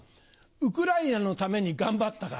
ウクライナのために頑張ったから。